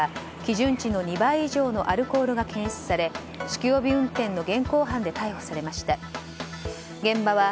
容疑者からは基準値の２倍以上のアルコールが検出され酒気帯び運転の現行犯で逮捕されました。